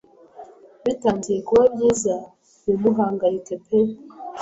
Bitangiye kuba byiza ntimuhangayike pe